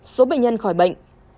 một số bệnh nhân khỏi bệnh